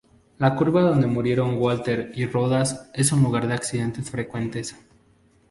La curva donde murieron Walker y Rodas es un lugar de accidentes frecuentes.